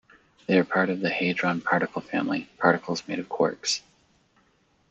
They are part of the hadron particle family - particles made of quarks.